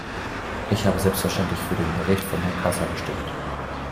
Ich habe selbstverständlich für den Bericht von Herrn Casa gestimmt.